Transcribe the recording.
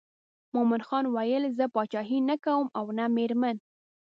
مومن خان ویل زه پاچهي نه کوم او نه مېرمن.